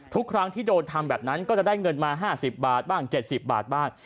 ทุกครั้งที่โดนทำแบบนั้นก็จะได้เงินมา๕๐บาทบ้าง๗๐บาทบ้าง